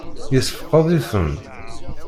Yessefqed-iten?